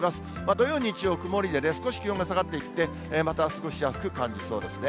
土曜、日曜、曇りでね、少し気温が下がっていって、また過ごしやすく感じそうですね。